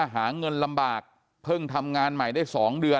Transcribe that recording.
ที่เข้ามาช่วยเหลือ